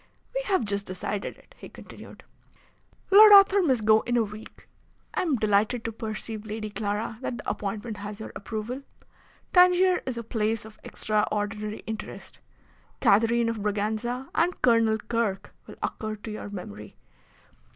"We have just decided it," he continued. "Lord Arthur must go in a week. I am delighted to perceive, Lady Clara, that the appointment has your approval. Tangier is a place of extraordinary interest. Catherine of Braganza and Colonel Kirke will occur to your memory.